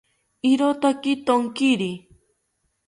Irokaki thonkiri